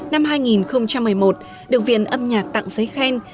năm hai nghìn một mươi một được viện âm nhạc tặng giấy khen